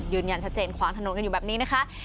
ยืนยันชัดเจนขวางถนนกันอยู่แบบนี้นะคะ